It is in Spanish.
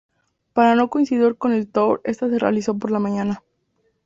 Para no coincidir con el Tour esta se realizó por la mañana.